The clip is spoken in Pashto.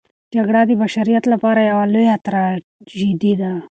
جګړه د بشریت لپاره یوه لویه تراژیدي ده.